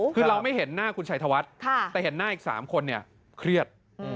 คือเราไม่เห็นหน้าคุณชัยธวัฒน์แต่เห็นหน้าอีก๓คนเนี่ยเครียด